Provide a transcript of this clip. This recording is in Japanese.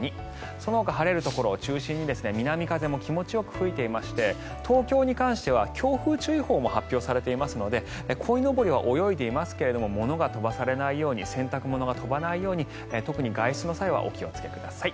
そのほか、晴れるところを中心に南風も気持ちよく吹いていまして東京に関しては強風注意報も発表されていますのでこいのぼりは泳いでいますが物が飛ばされないように洗濯物が飛ばないように特に外出の際はお気をつけください。